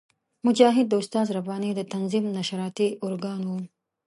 مجاهد د استاد رباني د تنظیم نشراتي ارګان وو.